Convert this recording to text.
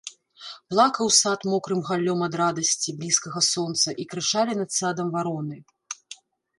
Плакаў сад мокрым галлём ад радасці блізкага сонца, і крычалі над садам вароны.